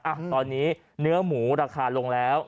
อ่ะตอนนี้เนื้อหมูราคาลงแล้ว